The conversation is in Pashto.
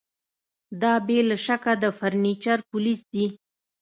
دا بې له شکه د فرنیچر پولیس دي